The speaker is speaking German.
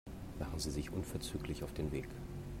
Machen Sie sich unverzüglich auf den Weg.